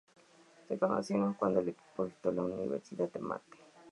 Se conocieron cuando el equipo visitó la Universidad de Marte.